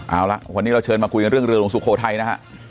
เอ้าล่ะสวัสดีเราเชิญมาพูดเรื่องเรืองสุโฆไทยนะฮะ